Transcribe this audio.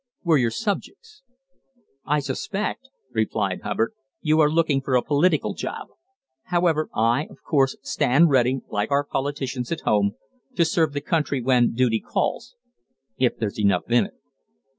We're your subjects." "I suspect," replied Hubbard, "you are looking for a political job. However, I, of course, stand ready, like our politicians at home, to serve the country when duty calls if there's enough in it.